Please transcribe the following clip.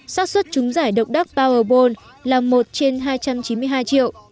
sát xuất trúng giải độc đắc powerball là một trên hai trăm chín mươi hai triệu